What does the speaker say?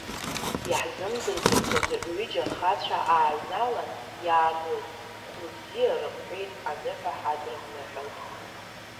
Иаҳзымдырӡақәоз ҩыџьа ахацәа ааҩналан иаагылт, хәлыбзиа рымҳәеит, аныҳәа ҳадрымныҳәалт.